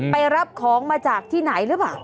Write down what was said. ไปรับของมาจากที่ไหนหรือเปล่า